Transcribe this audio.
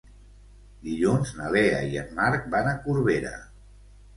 Dilluns na Lea i en Marc van a Corbera.